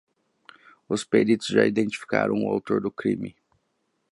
Os peritos já identificaram o autor do crime.